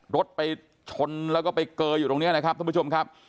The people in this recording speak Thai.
รถไปชนแล้วก็ไปเกออยู่ตรงนี้นะครับท่านผู้ชมครับ